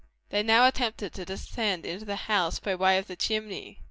They now attempted to descend into the house by way of the chimney.